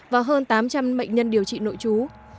và hơn tám trăm linh bệnh nhân điều trị nội trú